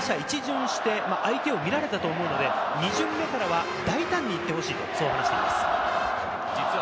打者一巡して相手を見られたと思うので、２巡目からは大胆にいってほしい、そう話しています。